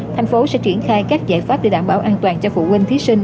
thành phố sẽ triển khai các giải pháp để đảm bảo an toàn cho phụ huynh thí sinh